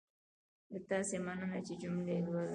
له تاسې مننه چې جملې لولئ.